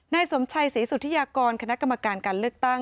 นายสมชัยศรีสุธิยากรคณะกรรมการการเลือกตั้ง